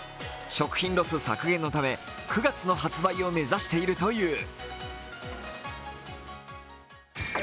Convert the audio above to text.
食品ロス削減のため９月の発売を目指しているという。